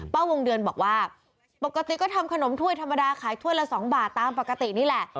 วงเดือนบอกว่าปกติก็ทำขนมถ้วยธรรมดาขายถ้วยละ๒บาทตามปกตินี่แหละ